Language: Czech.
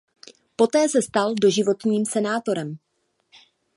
Poté se stal doživotním senátorem.